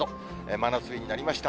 真夏日になりました。